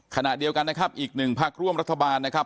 ขณะเดียวกันนะครับอีกหนึ่งพักร่วมรัฐบาลนะครับ